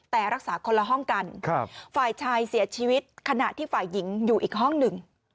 แต่รักษาคนละห้องกันฝ่ายชายเสียชีวิตขณะที่ฝ่ายหญิงอยู่อีกห้องหนึ่ง